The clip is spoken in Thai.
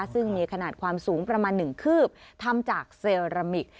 ซึ่งมีขนาดความสูงประมาณ๑คืบทำจากเซรามิก